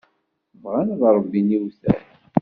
Bɣan ad ṛebbin iwtal.